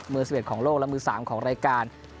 มือ๑๑และมือ๓ของรายการ